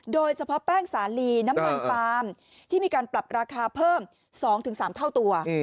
โดยเฉพาะแป้งสาลีน้ำมันปาล์มที่มีการปรับราคาเพิ่ม๒๓เท่าตัว